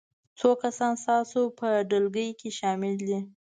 څو کسان ستاسو په ډلګي کې شامل دي؟